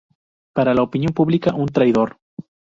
Para la opinión pública, un traidor.